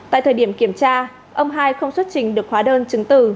tại thời điểm kiểm tra ông hai không xuất trình được hóa đơn chứng từ